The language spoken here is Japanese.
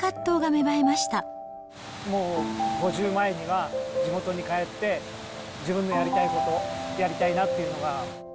もう、５０前には地元に帰って、自分のやりたいことをやりたいなっていうのが。